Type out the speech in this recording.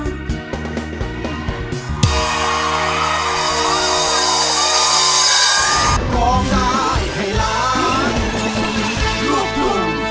นั่งก่อนเขาเดียวได้